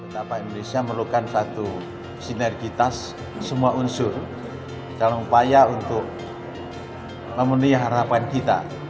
tapa indonesia memerlukan satu sinergitas semua unsur dalam upaya untuk memenuhi harapan kita